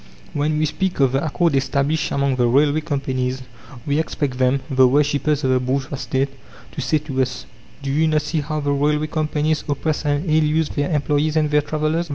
When we speak of the accord established among the railway companies, we expect them, the worshippers of the bourgeois State, to say to us: "Do you not see how the railway companies oppress and ill use their employees and the travellers!